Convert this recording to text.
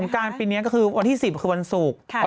การปีนี้ก็คือวันที่๑๐คือวันศุกร์